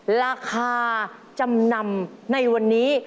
ราคาจำนำในวันนี้